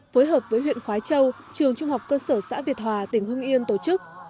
phối hợp với huyện khói châu trường trung học cơ sở xã việt hòa tỉnh hưng yên tổ chức